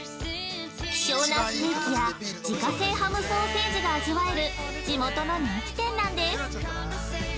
希少なステーキや自家製ハムソーセージが味わえる地元の人気店なんです。